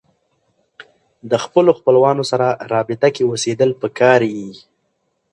د خپلو خپلوانو سره رابطه کې اوسېدل پکار يي